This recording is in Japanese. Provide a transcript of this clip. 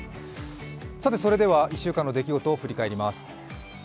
それでは、１週間の出来事を振り返ります。